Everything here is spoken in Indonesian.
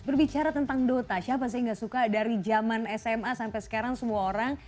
berbicara tentang dota siapa sih yang gak suka dari zaman sma sampai sekarang semua orang